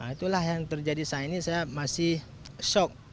itulah yang terjadi saat ini saya masih shock